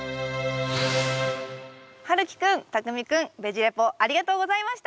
はるきくんたくみくんベジ・レポありがとうございました！